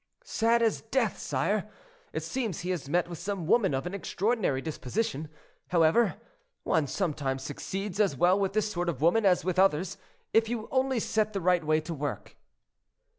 —" "Sad as death, sire. It seems he has met with some woman of an extraordinary disposition. However, one sometimes succeeds as well with this sort of women as with others, if you only set the right way to work."